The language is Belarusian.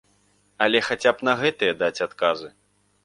Але хаця б на гэтыя даць адказы.